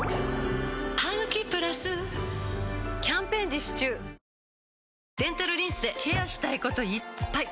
「ハグキプラス」キャンペーン実施中デンタルリンスでケアしたいこといっぱい！